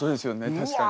確かに。